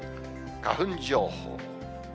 花粉情報。